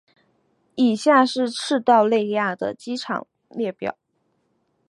以下是赤道畿内亚的机场列表。